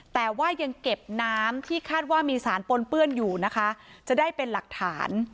แต่ว่ายังเก็บน้ำที่คาดว่ามีสารปนเปื้อนอยู่นะคะจะได้เป็นหลักฐาน